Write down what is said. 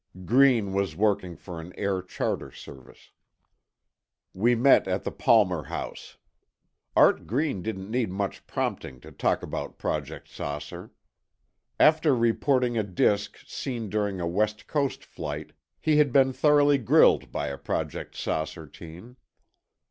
Green was working for an air charter service We met at the Palmer House. Art Green didn't need much prompting to talk about Project "Saucer." After reporting a disk, seen during a West Coast Right, he had been thoroughly grilled by a Project "Saucer" team.